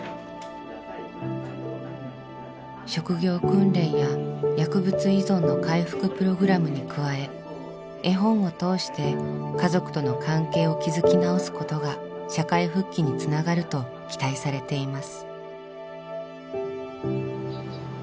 職業訓練や薬物依存の回復プログラムに加え絵本を通して家族との関係を築き直すことが社会復帰につながると期待されています。